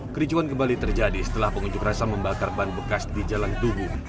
kericuan kembali terjadi setelah pengunjuk rasa membakar ban bekas di jalan tugu